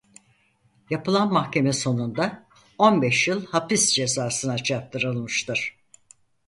Yapılan mahkeme sonunda on beş yıl hapis cezasına çarptırılmıştır.